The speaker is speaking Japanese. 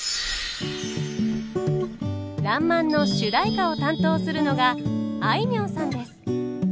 「らんまん」の主題歌を担当するのがあいみょんさんです。